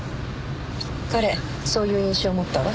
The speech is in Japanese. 彼そういう印象を持ったわ。